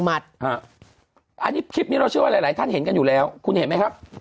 อันนี้คลิปนี้เราเชื่อว่าหลายท่านเห็นกันอยู่แล้วคุณเห็นไหมครับ